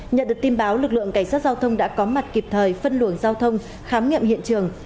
nhận được tin báo lực lượng cảnh sát giao thông đã có mặt kịp thời phân luồng giao thông khám nghiệm hiện trường